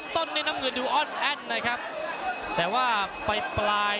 ต้นในน้ำเงินดูอ้อนแอดนะครับแต่ว่าไปปลาย